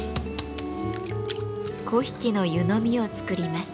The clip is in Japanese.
粉引の湯飲みを作ります。